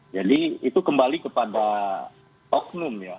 jadi itu kembali kepada oknum ya